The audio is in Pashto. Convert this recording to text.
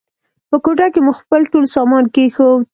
په کوټه کې مو خپل ټول سامان کېښود.